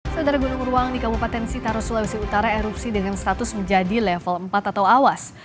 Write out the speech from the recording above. saudara gunung beruang di kabupaten sitaro sulawesi utara erupsi dengan status menjadi level empat atau awas